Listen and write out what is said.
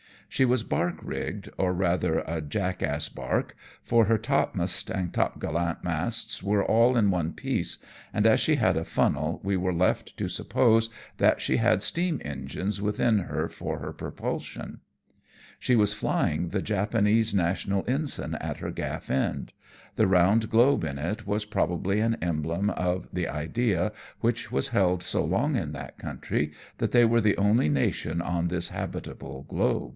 She was barque rigged, or rather a jack ass barque, for her topmast and topgallant masts were all in one piece, and as she had a funnel, we were left to suppose that she had steam engines within her for her propulsion. She was flying the Japanese national ensign at her gafi" end ; the round globe in it was probably an emblem of the idea, which was held so long in that country, that they were the only nation on this habitable globe.